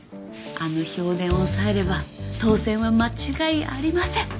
あの票田を押さえれば当選は間違いありません。